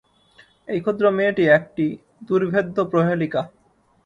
এই ক্ষুদ্র মেয়েটি একটি দুর্ভেদ্য প্রহেলিকা।